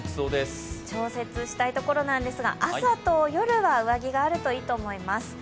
調節したいところですが、朝と夜は上着があるといいと思います。